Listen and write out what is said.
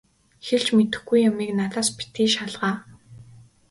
Хэлж мэдэхгүй юмыг надаас битгий шалгаа.